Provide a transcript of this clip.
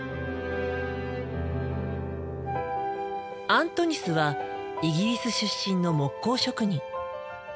アントニスはイギリス出身の木工職人。